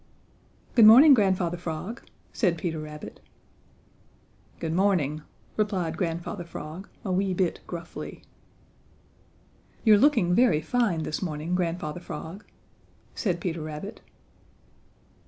"Good morning, Grandfather Frog," said Peter Rabbit. "Good morning," replied Grandfather Frog a wee bit gruffly. "You're looking very fine this morning, Grandfather Frog," said Peter Rabbit.